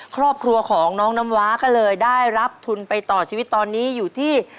ครอบครัวของน้องน้ำว้าก็เลยได้รับทุนไปต่อชีวิตตอนนี้อยู่ที่